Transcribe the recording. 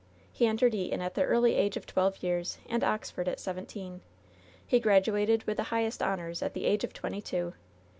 He entered Eton at the early age of twelve years and Oxford at seventeen. He graduated with the highest honors, at the age of twenty two.